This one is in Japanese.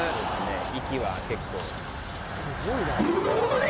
息は結構。